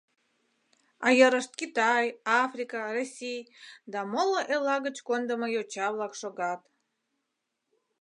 А йырышт Китай, Африка, Россий да моло элла гыч кондымо йоча-влак шогат.